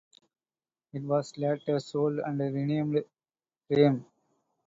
It was later sold and renamed "Fram".